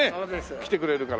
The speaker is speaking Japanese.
来てくれるから。